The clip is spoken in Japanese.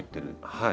はい。